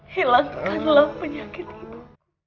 hilangkanlah penyakit itu